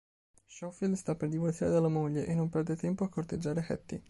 Schofield sta per divorziare dalla moglie e non perde tempo a corteggiare Hattie.